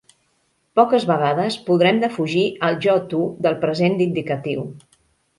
Poques vegades podrem defugir el jo-tu del present d'indicatiu.